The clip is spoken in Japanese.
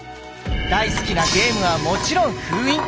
大好きなゲームはもちろん封印！